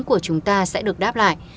của chúng ta sẽ được đáp lại